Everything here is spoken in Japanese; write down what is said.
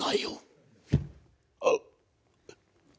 あっ！